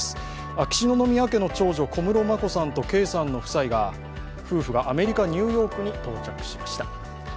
秋篠宮家の長女・小室眞子さんと圭さんの夫婦がアメリカ・ニューヨークに到着しました。